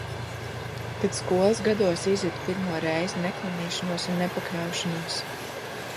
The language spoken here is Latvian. Kad skolas gados izjutu pirmo reizi neklanīšanos un nepakļaušanos.